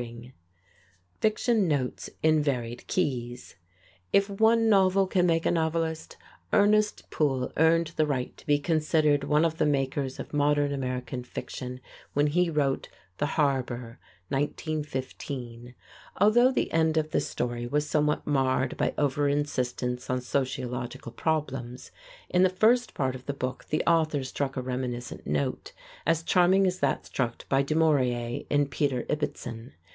[Illustration: ZANE GREY] Fiction Notes in Varied Keys If one novel can make a novelist, Ernest Poole earned the right to be considered one of the makers of modern American fiction when he wrote "The Harbor" (1915). Although the end of the story was somewhat marred by over insistence on sociological problems, in the first part of the book the author struck a reminiscent note as charming as that struck by Du Maurier in "Peter Ibbetson."